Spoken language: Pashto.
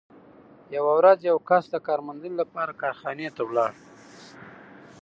یوه ورځ یو کس د کار موندنې لپاره کارخانې ته ولاړ